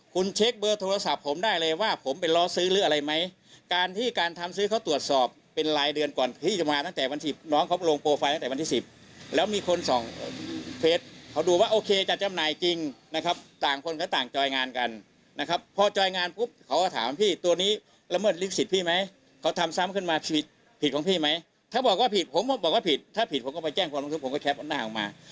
ความผิดผมก็ไปแจ้งพลังทุกข์ผมก็แท็ปอันหน้าออกมา